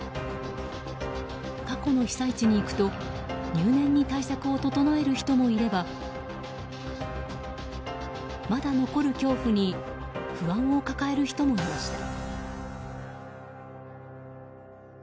過去の被災地に行くと入念に対策を整える人もいればまだ残る恐怖に不安を抱える人もいました。